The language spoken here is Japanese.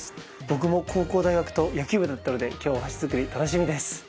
僕も高校大学と野球部だったので今日箸作り楽しみです。